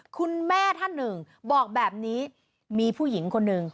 คุณแม่ท่านหนึ่งบอกแบบนี้มีผู้หญิงคนหนึ่ง